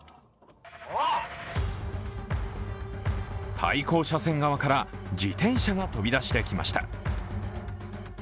対向車線側から自転車が飛び出してきました。